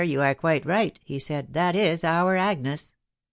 <• you are quite right," he said; " that is our Agnes."